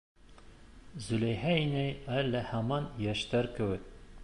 — Зөләйха инәй әле һаман йәштәр кеүек.